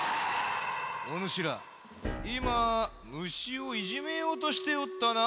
おぬしらいま虫をいじめようとしておったな？